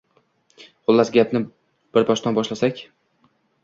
Xullas gapni bir boshdan boshlasak.!